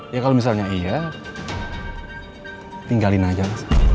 ya kalau misalnya iya tinggalin aja